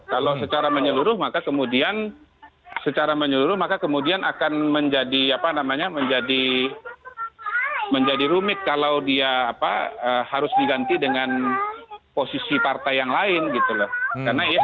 kalau secara menyeluruh maka kemudian akan menjadi rumik kalau dia harus diganti dengan posisi partai yang lain gitu loh